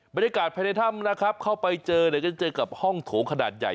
บรรยากาศภายในถ้ำนะครับเข้าไปเจอเนี่ยจะเจอกับห้องโถงขนาดใหญ่